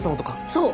そう。